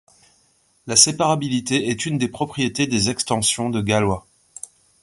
La séparabilité est une des propriétés des extensions de Galois.